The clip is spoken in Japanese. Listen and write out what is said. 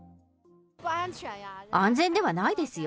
安全ではないですよ。